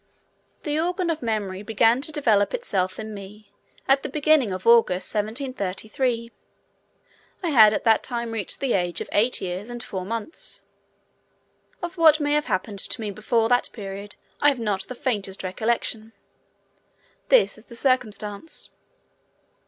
The organ of memory began to develop itself in me at the beginning of August, 1733. I had at that time reached the age of eight years and four months. Of what may have happened to me before that period I have not the faintest recollection. This is the circumstance.